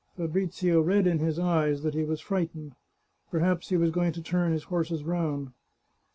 Fabrizio read in his eyes that he was frightened ; perhaps he was going to turn his horses round.